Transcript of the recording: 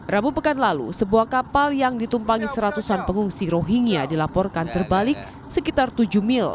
rabu pekan lalu sebuah kapal yang ditumpangi seratusan pengungsi rohingya dilaporkan terbalik sekitar tujuh mil